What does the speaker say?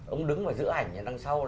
ông đứng ở giữa ảnh này đằng sau